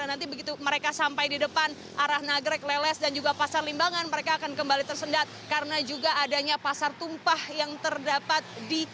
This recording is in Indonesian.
dan nanti begitu mereka sampai di depan arah nagrek leles dan juga pasar limbangan mereka akan kembali tersendat karena juga adanya pasar tumpah yang terdapat